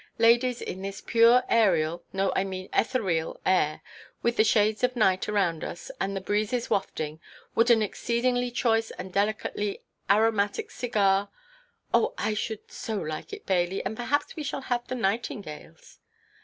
Ladies, in this pure aerial—no, I mean ethereal—air, with the shades of night around us, and the breezes wafting, would an exceedingly choice and delicately aromatic cigar——" "Oh, I should so like it, Bailey; and perhaps we shall have the nightingales."